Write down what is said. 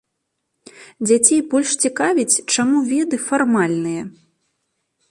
Дзяцей больш цікавіць, чаму веды фармальныя.